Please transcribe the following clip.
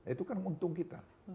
itu kan untung kita